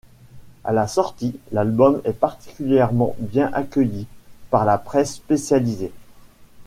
À sa sortie, l'album est particulièrement bien accueilli par la presse spécialisée.